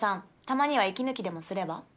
たまには息抜きでもすれば？